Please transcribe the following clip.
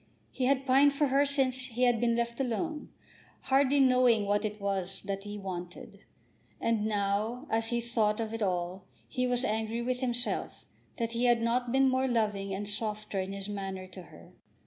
He had pined for her since he had been left alone, hardly knowing what it was that he had wanted. And now as he thought of it all, he was angry with himself that he had not been more loving and softer in his manner to her.